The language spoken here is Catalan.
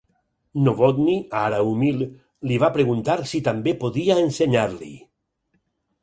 Novotny, ara humil, li va preguntar si també podia ensenyar-li.